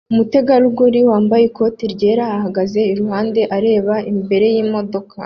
Umutegarugori wambaye ikoti ryera ahagaze iruhande areba imbere yimodoka